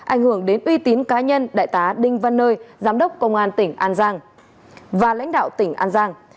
ảnh hưởng đến uy tín cá nhân đại tá đinh văn nơi giám đốc công an tỉnh an giang và lãnh đạo tỉnh an giang